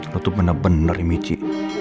lu tuh bener bener ini ci